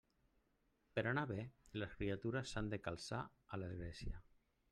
Per anar bé, les criatures s'han de calçar a l'església.